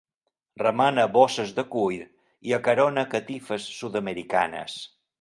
Remena bosses de cuir i acarona catifes sud-americanes.